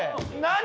何？